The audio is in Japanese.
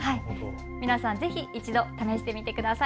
皆さんぜひ一度試してみてください。